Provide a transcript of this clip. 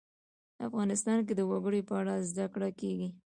افغانستان کې د وګړي په اړه زده کړه کېږي.